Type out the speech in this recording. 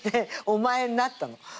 「お前」になったの。